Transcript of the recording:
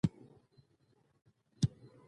او د خدمت لپاره یې غلام ورته واخیست.